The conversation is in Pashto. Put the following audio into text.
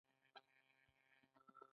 مایوسي بده ده.